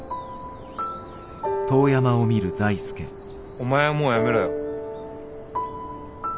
お前はもうやめろよ。